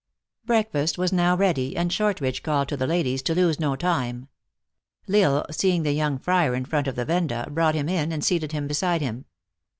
Breakfast was now ready, and Shortridge called to the ladies to lose no time. L Isle, seeing the young friar in front of the venda, brought him in and seated him beside him.